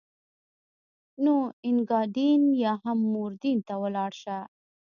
نو اینګادین یا هم مورین ته ولاړ شه.